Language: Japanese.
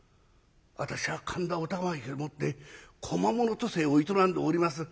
私は神田お玉ヶ池でもって小間物渡世を営んでおります